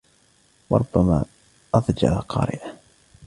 وَرُبَّمَا أَضْجَرَ قَارِئَهُ